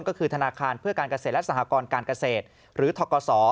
ก็คือธนาคารเพื่อการเกษตรและสหกรการเกษตรหรือทกศ